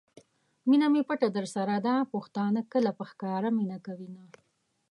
مینه می پټه درسره ده ؛ پښتانه کله په ښکاره مینه کوینه